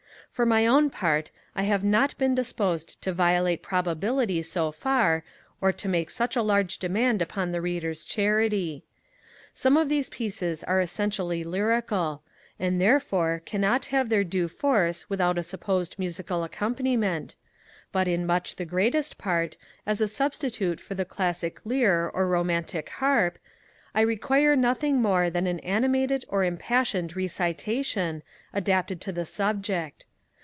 For my own part, I have not been disposed to violate probability so far, or to make such a large demand upon the Reader's charity. Some of these pieces are essentially lyrical; and, therefore, cannot have their due force without a supposed musical accompaniment; but, in much the greatest part, as a substitute for the classic lyre or romantic harp, I require nothing more than an animated or impassioned recitation, adapted to the subject.